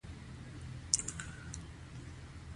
دا دی اوس د دوهم ځل له پاره افغانستان کښي چاپېږي.